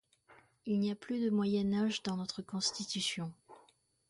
Il n'y a plus de moyen âge dans notre constitution.